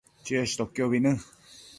cheshtoquiobi në